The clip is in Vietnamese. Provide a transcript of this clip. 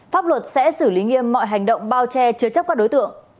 pháp luật sẽ xử lý nghiêm mọi hành động bao che chứa chấp các đối tượng